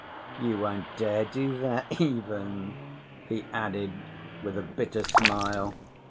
"You won't dare do that even!" he added, with a bitter smile.